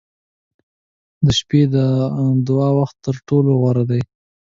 • د شپې د دعا وخت تر ټولو غوره دی.